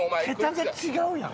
桁が違うやん。